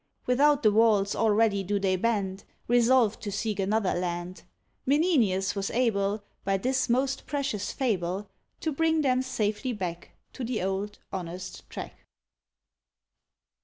Without the walls already do they band, Resolved to seek another land. Menenius was able, By this most precious fable, To bring them safely back To the old, honest track.